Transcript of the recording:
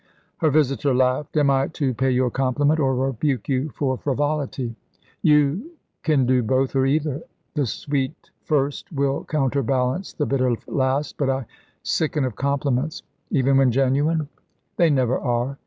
Her visitor laughed. "Am I to pay you a compliment, or rebuke you for frivolity?" "You can do both or either; the sweet first will counterbalance the bitter last. But I sicken of compliments." "Even when genuine?" "They never are.